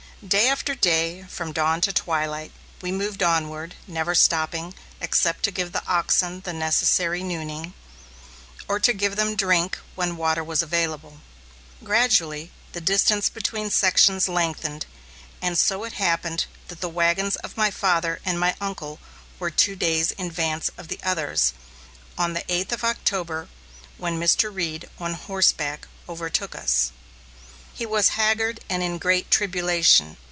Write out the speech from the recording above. Day after day, from dawn to twilight, we moved onward, never stopping, except to give the oxen the necessary nooning, or to give them drink when water was available. Gradually, the distance between sections lengthened, and so it happened that the wagons of my father and my uncle were two days in advance of the others, on the eighth of October, when Mr. Reed, on horseback, overtook us. He was haggard and in great tribulation.